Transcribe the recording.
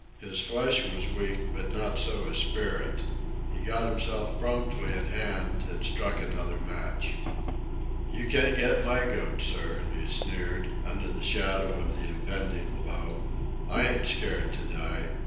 His flesh was weak, but not so his spirit. He got himself promptly in hand and struck another match. "You can't get my goat, sir," he sneered, under the shadow of the impending blow. "I ain't scared to die.